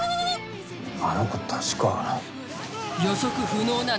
あの子確か。